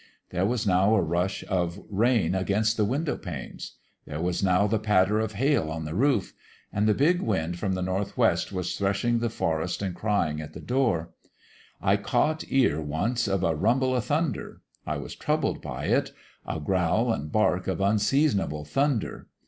There was now a rush of rain against the window panes ; there was now the patter of hail on the roof. And the big wind from the nor' west was threshing the forest an' cry in' at the Moor. I caught ear, once, of a rumble of thunder : I was troubled by it a growl an' bark of unseasonable thunder.